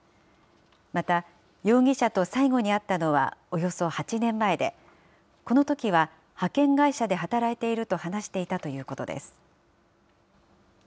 また、容疑者と最後に会ったのはおよそ８年前で、このときは派遣会社で働いていると話していたということです。